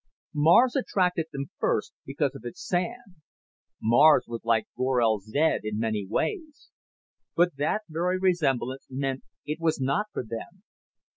Mars attracted them first because of its sands. Mars was like Gorel zed in many ways. But that very resemblance meant it was not for them.